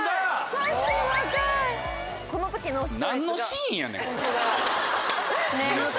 この時の。